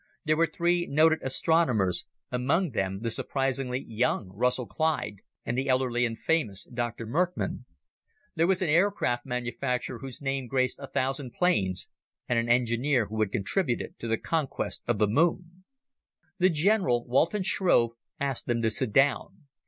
There were three noted astronomers among them the surprisingly young Russell Clyde and the elderly and famous Dr. Merckmann. There was an aircraft manufacturer whose name graced a thousand planes, and an engineer who had contributed to the conquest of the Moon. The general, Walton Shrove, asked them to sit down.